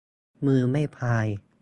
มือไม่พาย